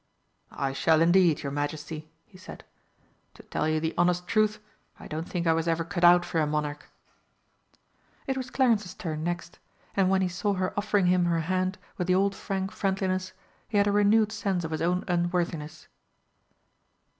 "I shall, indeed, your Majesty," he said. "To tell you the honest truth, I don't think I was ever cut out for a monarch." It was Clarence's turn next, and when he saw her offering him her hand with the old frank friendliness, he had a renewed sense of his own unworthiness.